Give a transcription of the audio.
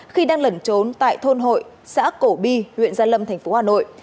khi đang lẩn trốn tại thôn hội xã cổ bi huyện gia lâm thành phố hà nội